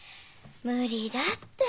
無理だって。